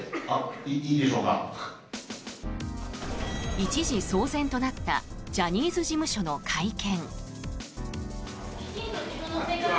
一時、騒然となったジャニーズ事務所の会見。